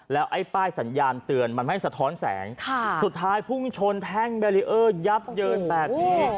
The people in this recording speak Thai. แล้วไอ้ป้ายสัญญาณเตือนมันไม่สะท้อนแสงสุดท้ายพุ่งชนแท่งแบรีเออร์ยับเยินแบบนี้